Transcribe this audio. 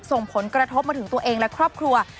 ส่งผลกระทบมาถึงตัวเองและครอบครัว